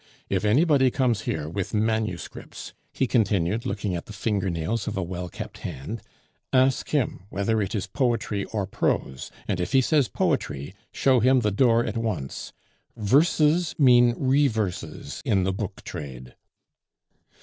"If anybody comes here with manuscripts," he continued, looking at the finger nails of a well kept hand, "ask him whether it is poetry or prose; and if he says poetry, show him the door at once. Verses mean reverses in the booktrade."